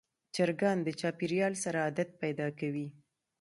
چرګان د چاپېریال سره عادت پیدا کوي.